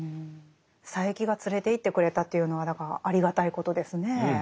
佐柄木が連れていってくれたというのはだからありがたいことですね。